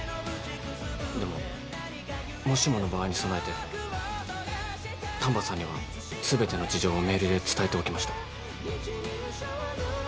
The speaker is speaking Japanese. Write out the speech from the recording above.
でももしもの場合に備えて丹波さんには全ての事情をメールで伝えておきました。